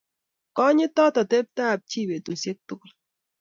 Konyitot atepto nyi petusyek tugul.